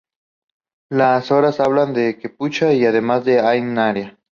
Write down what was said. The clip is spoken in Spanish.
Los Soras hablaban el quechua y además el aymara.